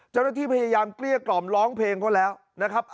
เจ้าหน้าที่พยายามเกลี้ยกล่อมร้องเพลงเขาแล้วนะครับ